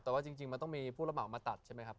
แต่ว่าจริงมันต้องมีผู้ระเหมามาตัดใช่ไหมครับ